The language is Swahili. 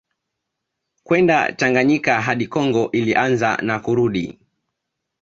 kwenda Tanganyika hadi Kongo ilianza na kurudi